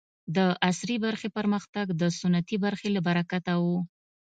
د عصري برخې پرمختګ د سنتي برخې له برکته و.